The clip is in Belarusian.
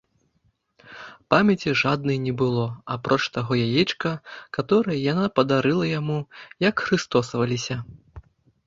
Памяці жаднай не было, апроч таго яечка, каторае яна падарыла яму, як хрыстосаваліся.